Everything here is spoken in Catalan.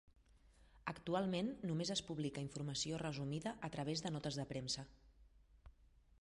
Actualment només es publica informació resumida a través de notes de premsa.